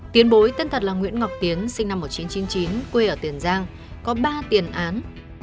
tiến bối tên thật là nguyễn ngọc tiến sinh năm một nghìn chín trăm chín mươi chín quê ở tiền giang có ba tiền án